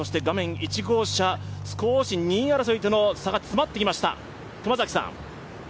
１号車、２位争いとの差が少し詰まってきました。